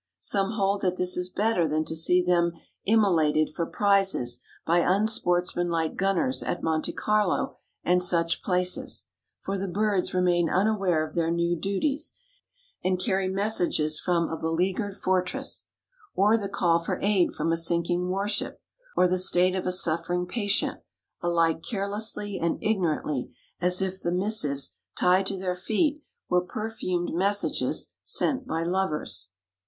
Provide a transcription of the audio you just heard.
Some hold that this is better than to see them immolated for prizes by unsportsmanlike gunners at Monte Carlo and such places, for the birds remain unaware of their new duties, and carry messages from a beleaguered fortress, or the call for aid from a sinking warship, or the state of a suffering patient, alike carelessly and ignorantly, as if the missives tied to their feet were perfumed messages sent by lovers.